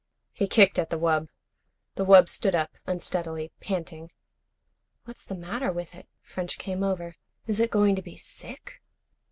He kicked at the wub. The wub stood up unsteadily, panting. "What's the matter with it?" French came over. "Is it going to be sick?"